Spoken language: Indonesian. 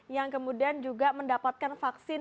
yang kemudian juga mendapatkan vaksin